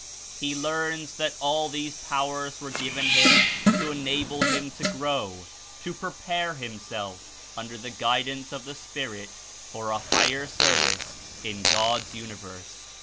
He learns that all these powers were given him to enable him to grow, to prepare himself under the guidance of the Spirit for a higher service in God's Universe.